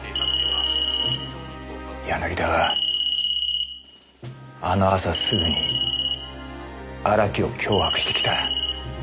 柳田はあの朝すぐに荒木を脅迫してきた。